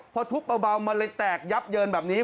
พอทุบเบามันเลยแตกยับเยินแบบนี้